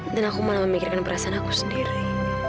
dan aku malah memikirkan perasaan aku sendiri